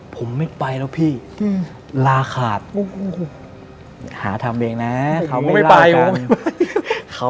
ผมไม่ไปแล้วพี่ลาขาดหาทำเองเค้าไม่เล่ากัน